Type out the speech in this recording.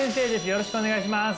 よろしくお願いします